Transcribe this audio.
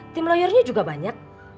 tim lawyernya juga banyak